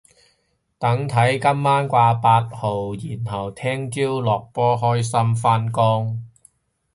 等睇今晚掛八號然後聽朝落波開心返工